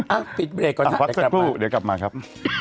เอ้าปิดเวลาก่อนนะเดี๋ยวกลับมาเอ้าพักสักครู่เดี๋ยวกลับมาครับ